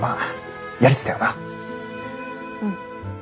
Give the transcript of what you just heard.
うん。